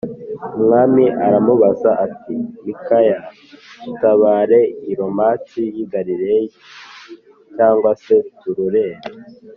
umwami aramubaza ati “Mikaya, dutabare i Ramoti y’i Galeyadi, cyangwa se turorere?”